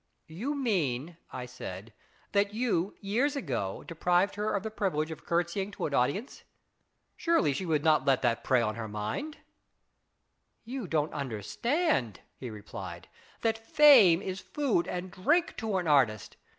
" You mean," I said, " that you years ago deprived her of the privilege of curtseying to IS IT A MANf 259 an audience ? Surely she would not let that prey on her mind ?"" You don't understand," he replied, " that fame is food and drink to an artist.